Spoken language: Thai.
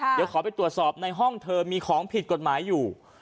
เดี๋ยวขอไปตรวจสอบในห้องเธอมีของผิดกฎหมายอยู่